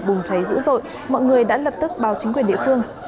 bùng cháy dữ dội mọi người đã lập tức báo chính quyền địa phương